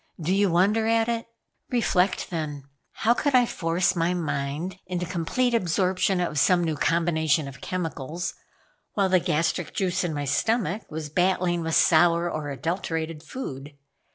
Do you wonder at it? Reflect then. How could I force my mind into complete absorption of some new combination of chemicals, while the gastric juice in my stomach was battling with sour or adulterated food?